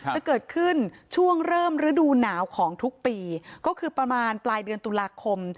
จะเกิดขึ้นช่วงเริ่มฤดูหนาวของทุกปีก็คือประมาณปลายเดือนตุลาคม